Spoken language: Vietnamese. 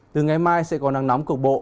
từ ngày mai sẽ có nắng nóng cục bộ